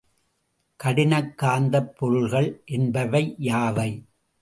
கடினக் காந்தப் பொருள்கள் என்பவை யாவை?